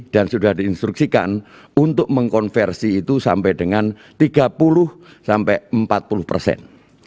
dan sudah diinstruksikan untuk mengkonversi itu sampai dengan tiga puluh empat puluh persen